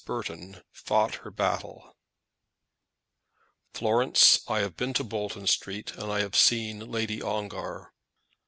BURTON FOUGHT HER BATTLE. "Florence, I have been to Bolton Street and I have seen Lady Ongar."